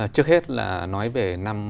trước hết là nói về